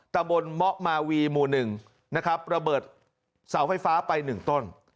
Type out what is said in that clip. ตะบนเมาะมาวีหมู่๑นะครับระเบิดเสาไฟฟ้าไป๑ต้น